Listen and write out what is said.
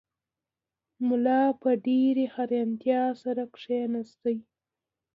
ملا په ډېرې حیرانتیا سره کښېناست.